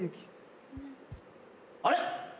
あれ？